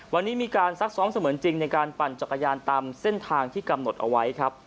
วันนี้มีการซักซ้อมเสมือนจริงในการปั่นจักรยานตามเส้นทางที่กำหนดเอาไว้ครับ